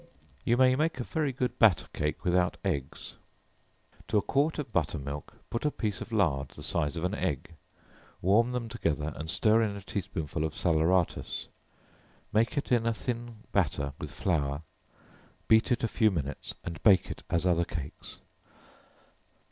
You may make a very good batter cake without eggs. To a quart of butter milk, put a piece of lard, the size of an egg; warm them together, and stir in a tea spoonful of salaeratus; make it in a thin batter with flour; beat it a few minutes, and bake it as other cakes.